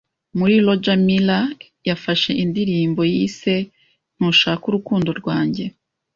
Mu Roger Miller yafashe indirimbo yise "Ntushaka Urukundo rwanjye.